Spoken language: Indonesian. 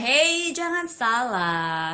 hei jangan salah